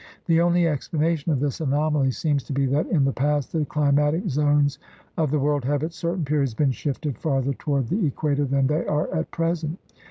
The only explanation of this anomaly seems to be that in the past the climatic zones of the world have at certain periods been shifted farther toward the equator than they are at present.